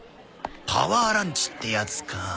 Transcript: パワーランチってやつか。